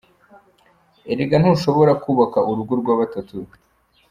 Erega ntushobora kubaka urugo rwa batatu.